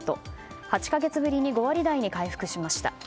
８か月ぶりに５割台に回復しました。